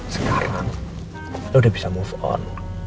sekarang lo udah bisa move on